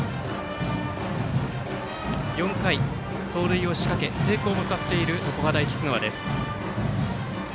４回、盗塁を仕掛け成功もさせている常葉大菊川です。